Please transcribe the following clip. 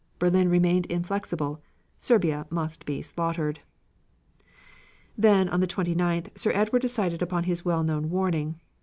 Berlin remained inflexible Serbia must be slaughtered. Then, on the 29th, Sir Edward decided upon his well known warning.